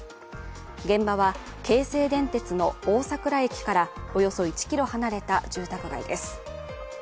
現場は、京成電鉄の大佐倉駅からおよそ１ｋｍ離れた住宅街です。